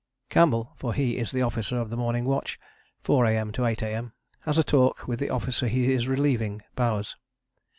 Campbell, for he is the officer of the morning watch (4 A.M. 8 A.M.) has a talk with the officer he is relieving, Bowers.